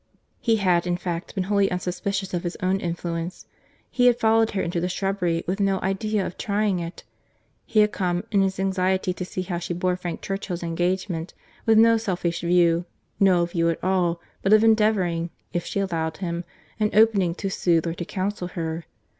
He had, in fact, been wholly unsuspicious of his own influence. He had followed her into the shrubbery with no idea of trying it. He had come, in his anxiety to see how she bore Frank Churchill's engagement, with no selfish view, no view at all, but of endeavouring, if she allowed him an opening, to soothe or to counsel her.